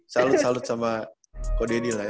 salut salut sama ko deddy lah ya